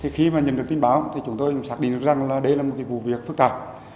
khi nhận được tin báo chúng tôi xác định rằng đây là một vụ việc phức tạp